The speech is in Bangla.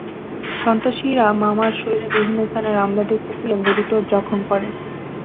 সন্ত্রাসীরা মামার শরীরের বিভিন্ন স্থানে রামদা দিয়ে কুপিয়ে গুরুতর জখম করে।